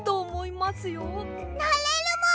なれるもん！